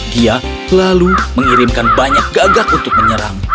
dia lalu mengirimkan banyak gagak untuk menyerang